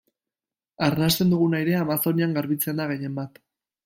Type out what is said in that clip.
Arnasten dugun airea Amazonian garbitzen da gehienbat.